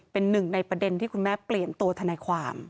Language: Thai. เป็นหนึ่งในประเด็นที่คุณแม่เปลี่ยนตัวทนายความ